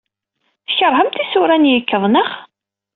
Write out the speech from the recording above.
Tkeṛhemt isura n yikkeḍ, naɣ?